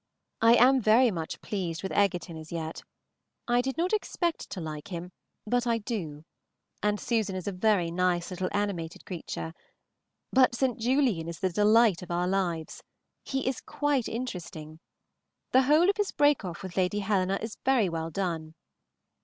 I am very much pleased with Egerton as yet. I did not expect to like him, but I do, and Susan is a very nice little animated creature; but St. Julian is the delight of our lives. He is quite interesting. The whole of his break off with Lady Helena is very well done.